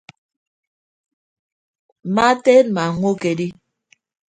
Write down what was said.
Mma teedma ñwokedi.